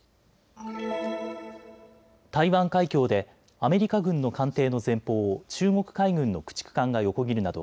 台湾海峡でアメリカ軍の艦艇の前方を中国海軍の駆逐艦が横切るなど